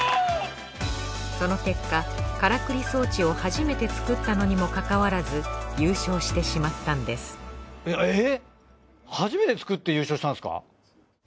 その結果からくり装置を初めて作ったのにもかかわらず優勝してしまったんですえっえぇ！？